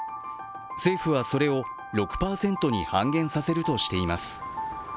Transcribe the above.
政府はそれを６％に半減させるとしています。